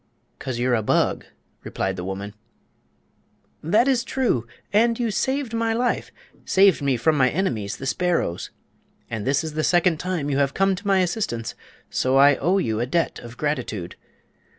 "'Cause you're a bug," replied the woman. "That is true; and you saved my life—saved me from my enemies, the sparrows. And this is the second time you have come to my assistance, so I owe you a debt of gratitude.